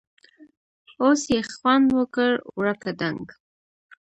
اوس یې خوند وکړ٬ ورکه ډنګ!